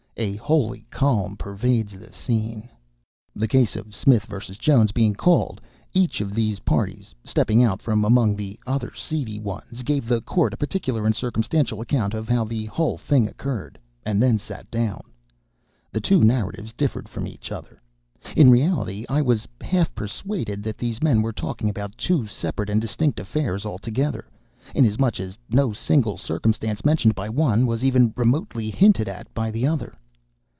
A holy calm pervades the scene. The case of Smith vs. Jones being called, each of these parties (stepping out from among the other seedy ones) gave the court a particular and circumstantial account of how the whole thing occurred, and then sat down. The two narratives differed from each other. In reality, I was half persuaded that these men were talking about two separate and distinct affairs altogether, inasmuch as no single circumstance mentioned by one was even remotely hinted at by the other.